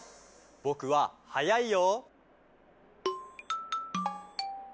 ぼくははやいよ。